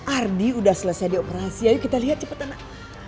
ardi udah selesai dioperasi ayo kita liat cepet anak